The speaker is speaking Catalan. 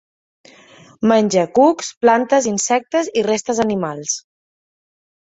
Menja cucs, plantes, insectes i restes animals.